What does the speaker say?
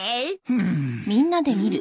うん？